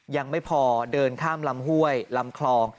ยังไม่พอเดินข้ามลำห้วยลำคลอง